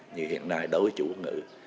như hiện nay đối với chữ quốc ngữ